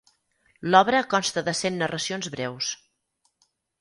L'obra consta de cent narracions breus.